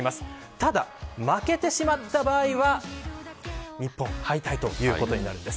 ただ、負けてしまった場合は日本敗退ということになります。